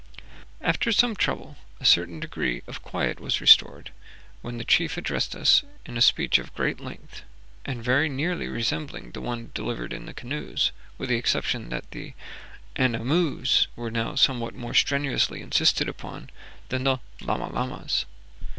After some trouble a certain degree of quiet was restored, when the chief addressed us in a speech of great length, and very nearly resembling the one delivered in the canoes, with the exception that the Anamoo moos! were now somewhat more strenuously insisted upon than the Lama Lamas!